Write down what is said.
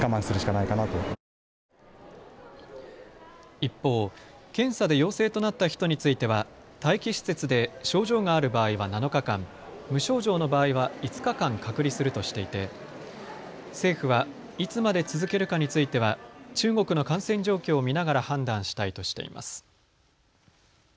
一方、検査で陽性となった人については待機施設で症状がある場合は７日間、無症状の場合は５日間、隔離するとしていて政府はいつまで続けるかについては中国の感染状況を見ながら判断したいとしています。